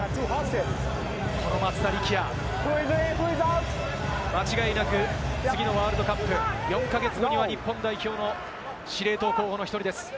この松田力也、間違いなく次のワールドカップ、４か月後には日本代表の司令塔候補の一人です。